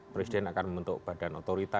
presiden akan membentuk badan otorita